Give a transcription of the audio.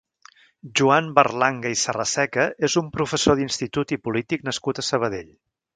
Joan Berlanga i Sarraseca és un professor d'institut i polític nascut a Sabadell.